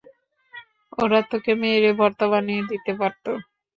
ওরা তোকে মেরে ভর্তা বানিয়ে দিতে পারত।